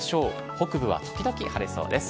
北部は時々晴れそうです。